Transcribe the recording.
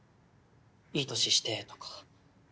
「いい年して」とか。